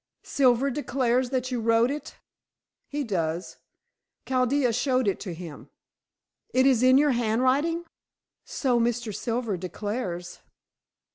"Silver declares that you wrote it?" "He does. Chaldea showed it to him." "It is in your handwriting?" "So Mr. Silver declares."